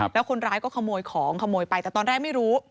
แล้วคนร้ายก็ขโมยของขโมยไปแต่ตอนแรกไม่รู้